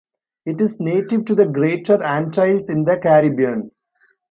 It is native to the Greater Antilles in the Caribbean.